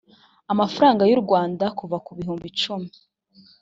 amafaranga y u rwanda kuva ku bihumbi icumi